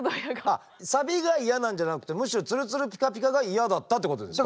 あっサビが嫌なんじゃなくてむしろツルツルピカピカが嫌だったってことですか？